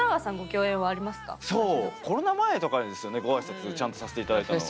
コロナ前とかですよねご挨拶ちゃんとさせて頂いたの。